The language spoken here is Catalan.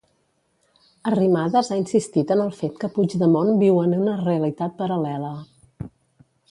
Arrimadas ha insistit en el fet que Puigdemont viu en una realitat paral·lela.